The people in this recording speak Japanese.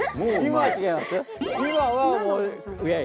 今はもう。